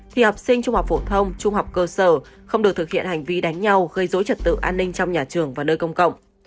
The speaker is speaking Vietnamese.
thì học sinh trung học phổ thông trung học cơ sở không được thực hiện hành vi đánh nhau gây dối trật tự an ninh trong nhà trường và nơi công cộng